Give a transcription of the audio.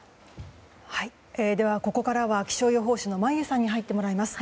では、ここからは気象予報士の眞家さんに入ってもらいます。